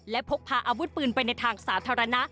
และพกพาอาวุธปืนไปในทางสาธารณะ